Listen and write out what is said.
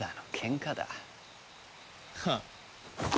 ハッ！